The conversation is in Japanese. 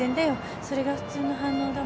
それが普通の反応だもん。